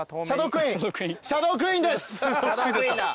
シャドークイーンだ。